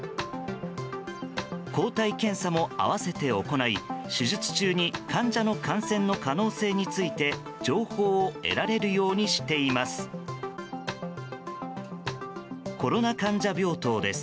抗体検査も併せて行い手術中に患者の感染の可能性について情報を得られるようにしています。